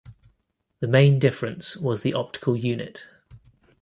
The main difference was the optical unit.